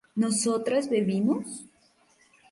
¿nosotras bebimos?